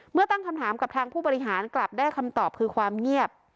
ตั้งคำถามกับทางผู้บริหารกลับได้คำตอบคือความเงียบ